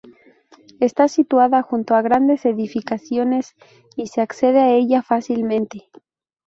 Está situada junto a grandes edificaciones y se accede a ella fácilmente.